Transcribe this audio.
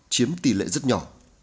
chiếm tỷ lệ rất nhỏ